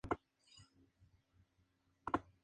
Debajo de la misma se ubica una bola verde.